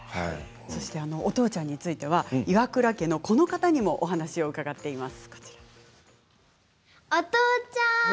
お父ちゃんについては岩倉家のこの方にもお話を伺っています。